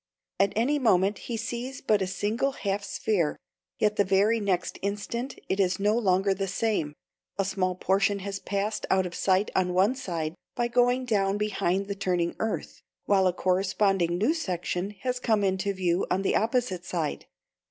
At any moment he sees but a single half sphere; yet the very next instant it is no longer the same; a small portion has passed out of sight on one side by going down behind the turning earth, while a corresponding new section has come into view on the opposite side.